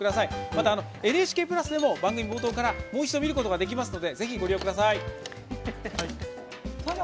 またＮＨＫプラスでも番組冒頭からもう一度見ることができますのでぜひご利用ください。